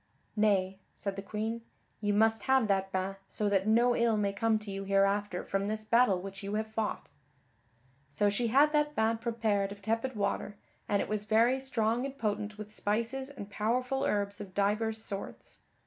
"Nay," said the Queen, "you must have that bain so that no ill may come to you hereafter from this battle which you have fought." So she had that bain prepared of tepid water, and it was very strong and potent with spices and powerful herbs of divers sorts.